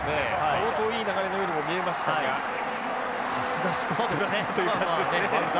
相当いい流れのようにも見えましたがさすがスコットランドという感じですね。